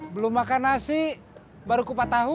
belum makan nasi baru kupat tahu